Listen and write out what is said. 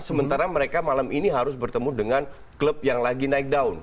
sementara mereka malam ini harus bertemu dengan klub yang lagi naik down